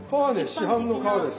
市販の皮です